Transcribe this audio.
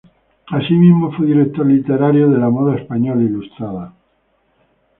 Asimismo, fue director literario de "La Moda Española Ilustrada".